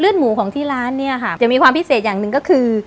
หมูของที่ร้านเนี่ยค่ะจะมีความพิเศษอย่างหนึ่งก็คือ